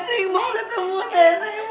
nenek mau ketemu nenek